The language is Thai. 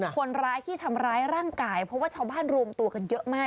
คนร้ายที่ทำร้ายร่างกายเพราะว่าชาวบ้านรวมตัวกันเยอะมาก